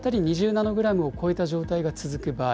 ナノグラムを超えた状態が続く場合。